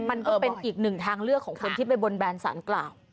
มันก็เป็นอีกหนึ่งทางเลือกของคนที่ไปบนแบนสารกล่าว